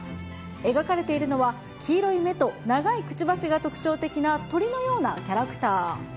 描かれているのは、黄色い目と長いくちばしが特徴的な鳥のようなキャラクター。